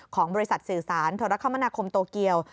ของบริษัทสื่อสารโทรคมนาคมโตเกียว